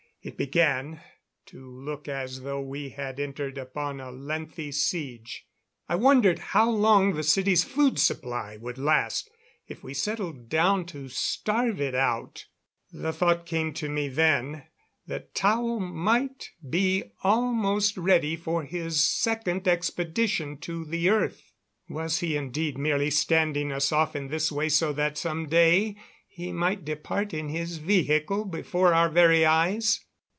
It began, to look as though we had entered upon a lengthy siege. I wondered how long the city's food supply would last if we settled down to starve it out. The thought came to me then that Tao might be almost ready for his second expedition to the earth. Was he indeed merely standing us off in this way so that some day he might depart in his vehicle before our very eyes?